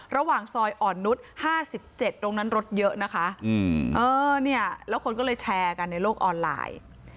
ระหว่างซอยอ่อนนุษย์๕๗ตรงนั้นรถเยอะนะคะแล้วคนก็เลยแชร์กันในโลกออนไลน์